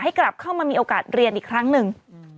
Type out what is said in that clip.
กลับเข้ามามีโอกาสเรียนอีกครั้งหนึ่ง